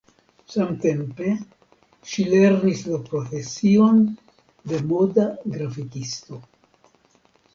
Samtempe ŝi lernis la profesion de moda grafikisto.